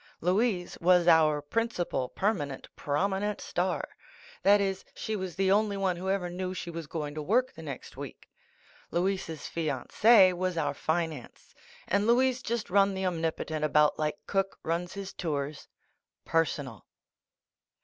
Louise was our principal permanent prominent star. That is, .she was the only one who ever knew she was going to work the next week. Louise's fiance was our finance — and Louise just run the Omnipo tent about like Cook runs his tours: Per sonal.